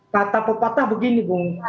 kata pepatah begini